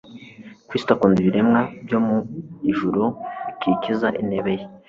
Kristo akunda ibiremwa byo mu ijuru bikikiza intebe ye,